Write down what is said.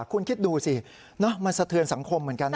คุณคิดดูสิมันสะเทือนสังคมเหมือนกันนะ